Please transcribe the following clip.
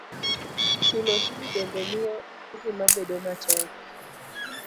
Chulo osuru bende miyo ngima bedo matek